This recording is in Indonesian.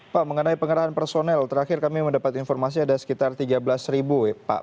pak mengenai pengerahan personel terakhir kami mendapat informasi ada sekitar tiga belas ribu pak